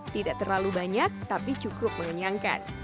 tidak terlalu banyak tapi cukup mengenyangkan